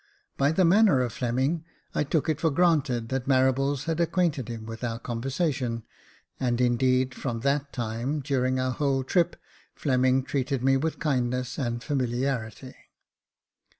By the manner of Fleming, I took it for granted that Marables had acquainted him with our conversation, and indeed, from that time, during our whole trip, Fleming treated me with kindness and familiarity.